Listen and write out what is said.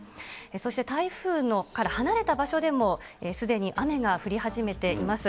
そして台風から離れた場所でも、すでに雨が降り始めています。